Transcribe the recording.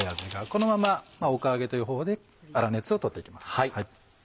このままおか上げという方法で粗熱を取っていきます。